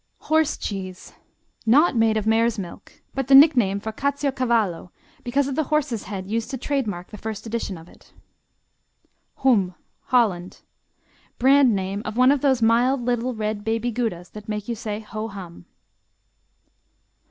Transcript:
Horse Cheese Not made of mare's milk, but the nickname for Caciocavallo because of the horse's head used to trademark the first edition of it. Hum Holland Brand name of one of those mild little red Baby Goudas that make you say "Ho hum."